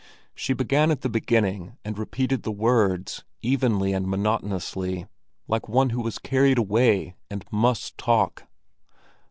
She began at the beginning and repeated the words, evenly and monotonously, like one who is carried away and must talk.